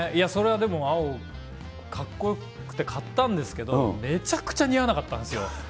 それはでも、青、かっこよくて買ったんですけど、めちゃくちゃ似合わなかったんですよ。